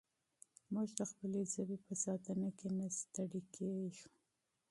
موږ د خپلې ژبې په ساتنه کې نه ستړي کېږو.